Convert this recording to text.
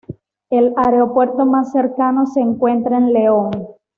El aeropuerto más cercano se encuentra en León.